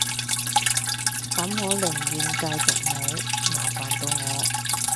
噉我寧願繼續冇，麻煩到我